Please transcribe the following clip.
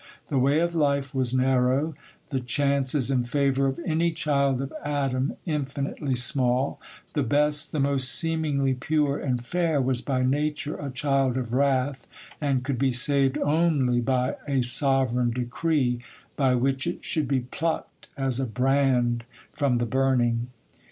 The way of life was narrow, the chances in favour of any child of Adam infinitely small; the best, the most seemingly pure and fair, was by nature a child of wrath, and could be saved only by a sovereign decree, by which it should be plucked as a brand from the burning.